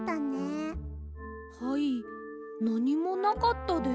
はいなにもなかったです。